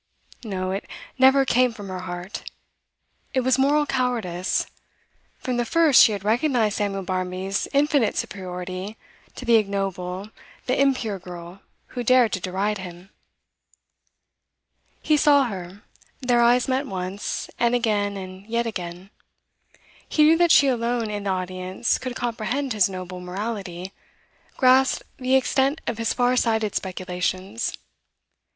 No, it never came from her heart; it was moral cowardice; from the first she had recognised Samuel Barmby's infinite superiority to the ignoble, the impure girl who dared to deride him. He saw her; their eyes met once, and again, and yet again. He knew that she alone in the audience could comprehend his noble morality, grasp the extent of his far sighted speculations.